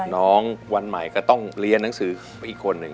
วันใหม่ก็ต้องเรียนหนังสือไปอีกคนหนึ่ง